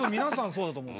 そうだと思う。